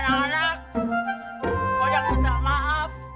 anak anak mau jangan usah maaf